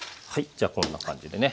じゃあこんな感じでね